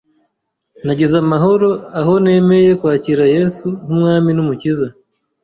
nagize amahoro aho nemeye kwakira Yesu nk’umwami n’umukiza